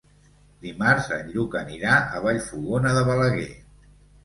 Dimarts en Lluc anirà a Vallfogona de Balaguer.